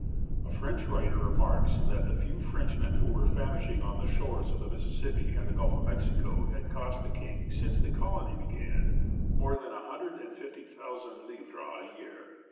A French writer remarks that the few Frenchmen who were famishing on the shores of the Mississippi and the Gulf of Mexico had cost the King, since the colony began, more than 150,000 livres a year.